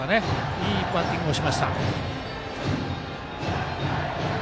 いいバッティングをしました。